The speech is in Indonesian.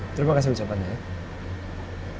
terima kasih ucapannya ya